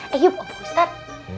eh yup opa ustad